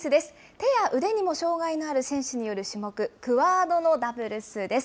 手や腕にも障害がある選手による種目、クアードのダブルスです。